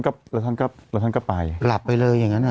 กลับไปเลยอย่างนั้นหรือ